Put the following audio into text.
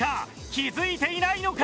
気付いていないのか？